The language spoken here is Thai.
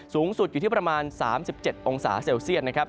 สูงสุดอยู่ที่ประมาณ๓๗องศาเซลเซียตนะครับ